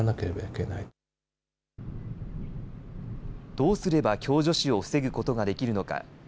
どうすれば共助死を防ぐことができるのか。